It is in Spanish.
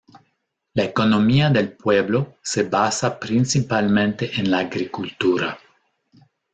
La economía del pueblo se basa principalmente en la agricultura.